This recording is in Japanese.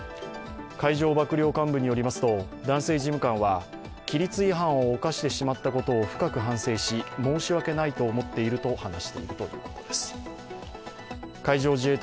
海上幕僚監部によりますと、男性事務官は規律違反を犯してしまったことを深く反省し、申し訳ないと思っていると話しているということです。